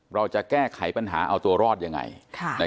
เราจะแก้ไขปัญหาเอาตัวรอดยังไง